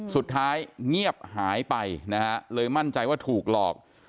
สุดท้ายเงียบหายไปนะฮะเลยมั่นใจว่าถูกหลอก